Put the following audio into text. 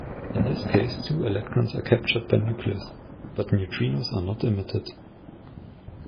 In this case, two electrons are captured by nucleus, but neutrinos are not emitted.